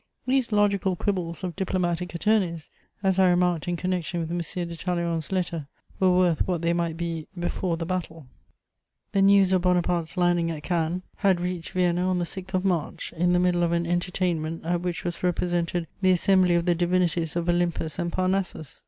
These logical quibbles of diplomatic attorneys, as I remarked in connection with M. de Talleyrand's letter, were worth what they might be before the battle. [Sidenote: Napoleon's last campaign.] The news of Bonaparte's landing at Cannes had reached Vienna on the 6th of March, in the middle of an entertainment at which was represented the assembly of the divinities of Olympus and Parnassus.